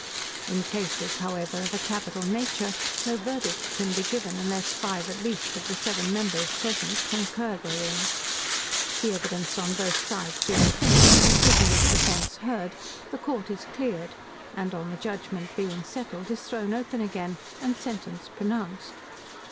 In cases, however, of a capital nature, no verdict can be given, unless five, at least, of the seven members present concur therein. The evidence on both sides being finished, and the prisoner's defence heard, the court is cleared, and, on the judgement being settled, is thrown open again, and sentence pronounced.